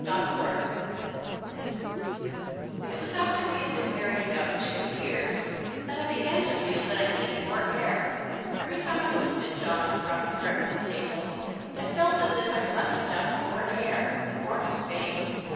_ It was after we had been married about two years that I began to feel that I needed more air. Every time I looked at John across the breakfast table, I felt as if I must have more air, more space.